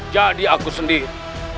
jadi aku sendiri